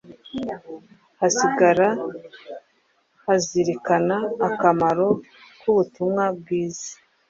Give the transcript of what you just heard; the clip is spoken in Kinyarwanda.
hasigara hazirikana akamaro k’ubutumwa bwiza.